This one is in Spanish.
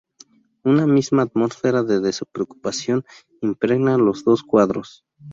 Una misma atmósfera de despreocupación impregna los dos cuadros.